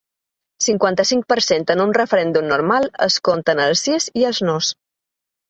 Cinquanta-cinc per cent En un referèndum normal es compten els sís i els nos.